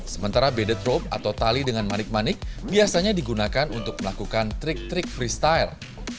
sementara bede drop atau tali dengan manik manik biasanya digunakan untuk melakukan trik trik freestyle